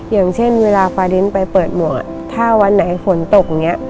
อย่างเช่นเวลาฟาดินไปเปิดหมวกถ้าวันไหนฝนตกอย่างนี้